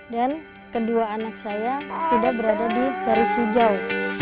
dan kedua anak saya sudah berada di garis hijau